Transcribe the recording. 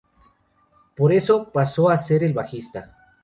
Por eso pasó a ser el bajista.